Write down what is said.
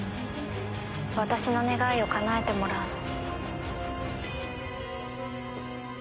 私の願いをかなえてもらうの。